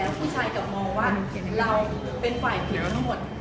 ถามว่าบุญชายและมองว่าเราเป็นฝ่ายผิดเป็นหมด